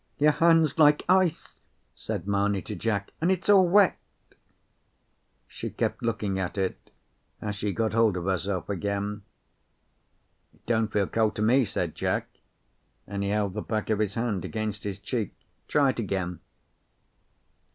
"Your hand's like ice," said Mamie to Jack, "and it's all wet!" She kept looking at it, as she got hold of herself again. "It don't feel cold to me," said Jack, and he held the back of his hand against his cheek. "Try it again."